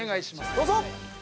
どうぞ！